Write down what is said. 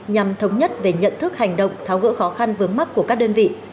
nhằm thống nhất về nhận thức hành động tháo gỡ khó khăn vướng mắt của các đơn vị